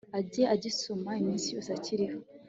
ajye agisomamo iminsi yose akiriho